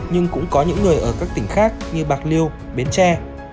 nhưng cũng có những người ở các tỉnh khác như bạc liêu bến tre